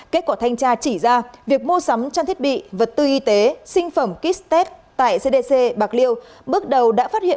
kết quả thanh tra chỉ ra việc mua sắm trang thiết bị vật tư y tế sinh phẩm kit test tại cdc bạc liêu bước đầu đã phát hiện